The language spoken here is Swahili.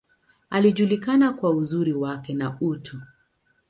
Alijulikana kwa uzuri wake, na utu.